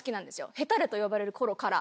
ヘタレと呼ばれる頃から。